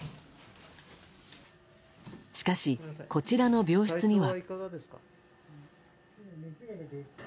しかし、こちらの病室には。